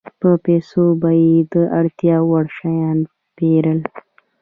په پیسو به یې د اړتیا وړ شیان پېرل